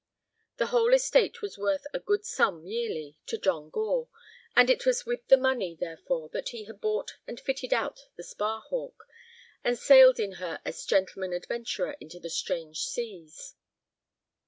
The whole estate was worth a good sum yearly to John Gore, and it was with the money, therefore, that he had bought and fitted out the Sparhawk, and sailed in her as gentleman adventurer into strange seas.